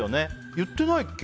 言ってないっけ？